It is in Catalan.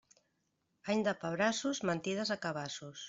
Any de pebrassos, mentides a cabassos.